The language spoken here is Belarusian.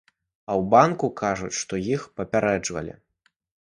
А ў банку кажуць, што іх папярэджвалі!